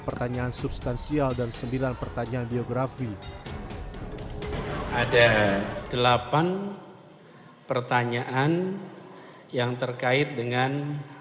pertanyaan substansial dan sembilan pertanyaan biografi ada delapan pertanyaan yang terkait dengan